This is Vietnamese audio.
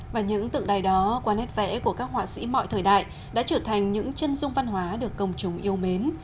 và những tượng đài đó qua nét vẽ của các họa sĩ mọi thời đại đã trở thành những chân dung văn hóa được công chúng yêu mến